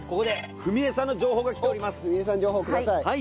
文枝さん情報ください。